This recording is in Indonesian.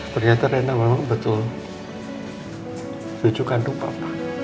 berita renang betul hai sujukan tumpah